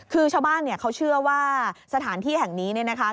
คือชาวบ้านเขาเชื่อว่าสถานที่แห่งนี้นะคะ